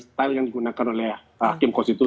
style yang digunakan oleh hakim konstitusi